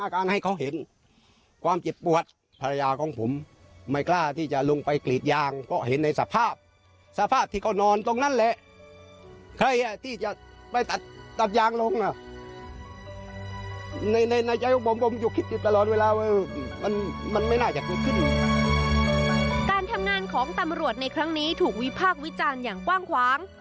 การทำงานของตำรวจในครั้งนี้ถูกวิพากษ์วิจารณ์อย่างกว้างขวาง